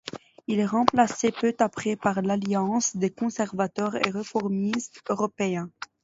Il est remplacé peu après par l'Alliance des conservateurs et réformistes européens.